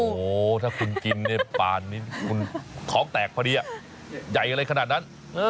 โอ้โหถ้าคุณกินในป่านนี้คุณท้องแตกพอดีใหญ่อะไรขนาดนั้น